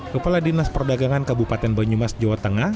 kepala dinas perdagangan kabupaten banyumas jawa tengah